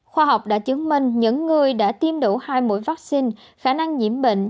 khoa học đã chứng minh những người đã tiêm đủ hai mũi vaccine khả năng nhiễm bệnh